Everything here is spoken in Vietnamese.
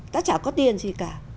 ta chả có tiền gì cả